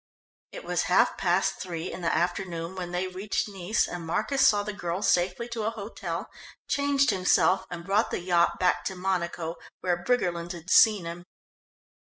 It was half past three in the afternoon when they reached Nice, and Marcus saw the girl safely to an hotel, changed himself and brought the yacht back to Monaco, where Briggerland had seen him.